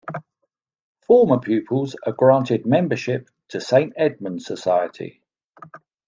Former pupils are granted membership to Saint Edmund's Society.